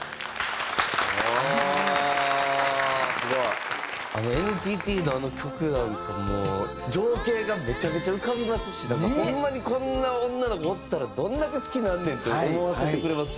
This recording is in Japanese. ああーすごい！ＮＴＴのあの曲なんかもう情景がめちゃめちゃ浮かびますしホンマにこんな女の子おったらどんだけ好きなんねんって思わせてくれますよね。